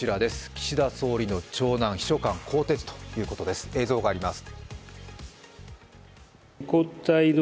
岸田総理の長男、秘書官更迭ということです、映像があります。